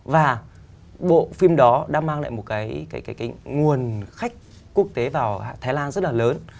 và bộ phim đó đã mang lại một cái nguồn khách quốc tế vào thái lan rất là lớn